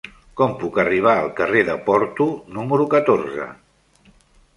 Com puc arribar al carrer de Porto número catorze?